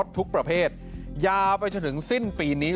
โทษภาพชาวนี้ก็จะได้ราคาใหม่